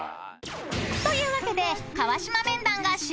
［というわけで川島面談が終了］